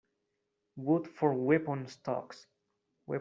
Wood for weapon stocks.